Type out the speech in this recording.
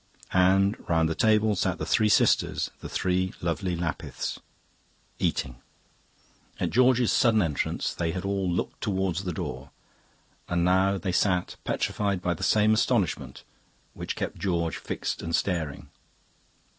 And round the table sat the three sisters, the three lovely Lapiths eating! "At George's sudden entrance they had all looked towards the door, and now they sat, petrified by the same astonishment which kept George fixed and staring.